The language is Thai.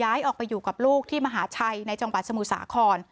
ย้ายออกไปอยู่กับลูกที่มหาชัยในจังหวัดสมุทรสาคร